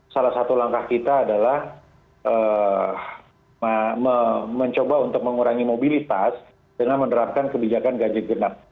salah satu langkah kita adalah mencoba untuk mengurangi mobilitas dengan menerapkan kebijakan ganjil genap